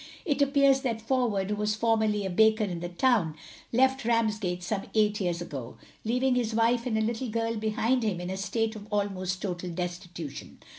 It appears that Forward, who was formerly a baker in the town, left Ramsgate some eight years ago, leaving his wife and a little girl behind him in a state of almost total destitution.